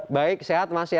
baik sehat mas ya